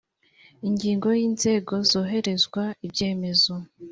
ingingo ya inzego zohererezwa ibyemezo